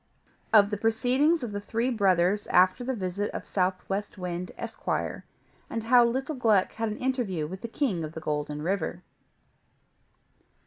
OF THE PROCEEDINGS OF THE THREE BROTHERS AFTER THE VISIT OF SOUTHWEST WIND, ESQUIRE; AND HOW LITTLE GLUCK HAD AN INTERVIEW WITH THE KING OF THE GOLDEN RIVER.